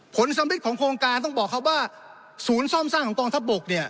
ผลสำริดของโครงการต้องบอกครับว่าศูนย์ซ่อมสร้างของกองทัพบกเนี่ย